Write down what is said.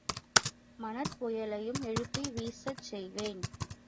மணற்புயலையும் எழுப்பி வீசச் செய்வேன்!